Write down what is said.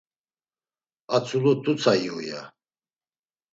A tzulu t̆utsa iyu ya…